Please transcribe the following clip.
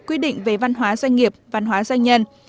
quy định về văn hóa doanh nghiệp văn hóa doanh nhân